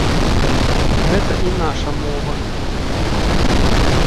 Гэта і наша мова.